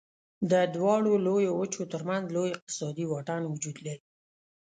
د دواړو لویو وچو تر منځ لوی اقتصادي واټن وجود لري.